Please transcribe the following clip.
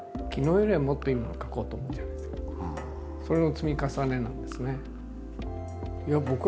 だけどもそれの積み重ねなんですね。